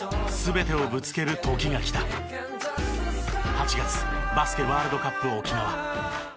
８月バスケワールドカップ沖縄。